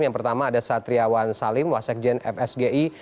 yang pertama ada satriawan salim wasekjen fsgi